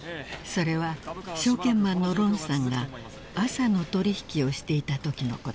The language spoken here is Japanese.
［それは証券マンのロンさんが朝の取引をしていたときのこと］